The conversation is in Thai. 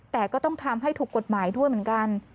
แต่ก็ต้องทำให้ถูกกฎหมายด้วยเหมือนกัน